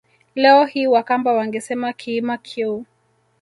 Leo hii Wakamba wangesema Kiima Kyeu